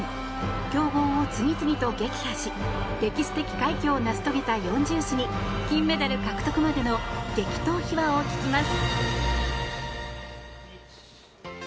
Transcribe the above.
強豪を次々と撃破し歴史的快挙を成し遂げた４銃士に金メダル獲得までの激闘秘話を聞きます。